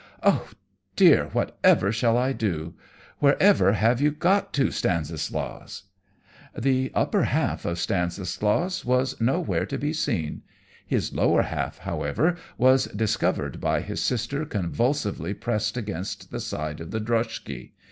Oh dear! Whatever shall I do? Wherever have you got to, Stanislaus?" The upper half of Stanislaus was nowhere to be seen! His lower half, however, was discovered by his sister convulsively pressed against the side of the droshky.